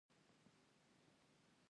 د هر ډول پېښې راپور سمدستي ورکړئ.